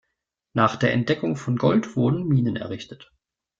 Nach der Entdeckung von Gold wurden Minen errichtet.